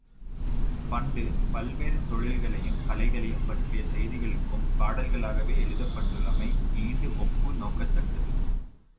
பண்டு பல்வேறு தொழில்களையும் கலைகளையும் பற்றிய செய்திகளும் பாடல்களாகவே எழுதப்பட்டுள்ளமை ஈண்டு ஒப்பு நோக்கத்தக்கது.